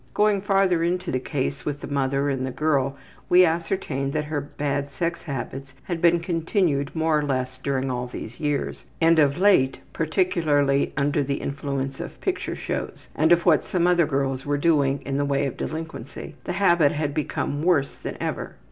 Going farther into the case with the mother and the girl we ascertained that her bad sex habits had been continued more or less during all these years, and of late, particularly under the influence of picture shows, and of what some other girls were doing in the way of delinquency, the habit had become worse than ever.